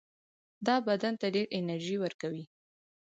دا بدن ته ډېره انرژي ورکوي.